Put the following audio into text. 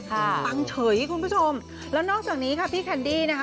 ปังเฉยคุณผู้ชมแล้วนอกจากนี้ค่ะพี่แคนดี้นะคะ